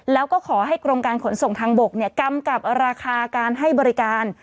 แล้วก็ขอให้กรมการขนส่งทางบกกำกับราคาการให้บริการ